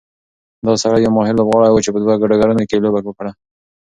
دا سړی یو ماهر لوبغاړی و چې په دوه ډګرونو کې یې لوبه وکړه.